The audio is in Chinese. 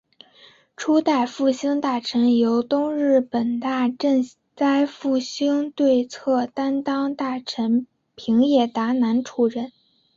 初代复兴大臣由东日本大震灾复兴对策担当大臣平野达男出任。